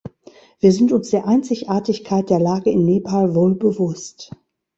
Wir sind uns der Einzigartigkeit der Lage in Nepal wohl bewusst.